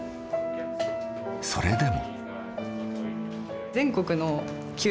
それでも。